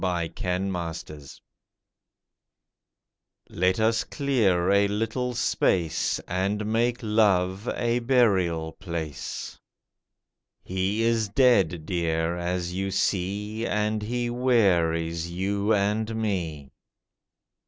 LOVE'S BURIAL Let us clear a little space, And make Love a burial place. He is dead, dear, as you see, And he wearies you and me.